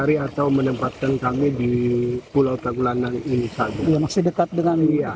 iya dengan pulau ruang